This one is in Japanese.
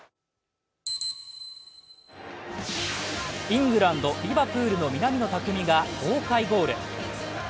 イングランド・リヴァプールの南野拓実が豪快ゴール。